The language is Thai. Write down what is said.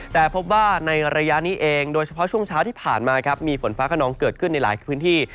แต่พบว่าในระยะนี้เองโดยเฉพาะช่วงเช้าที่ผ่านมาครับมีฝนฟ้าขนองเกิดขึ้นในหลายพื้นที่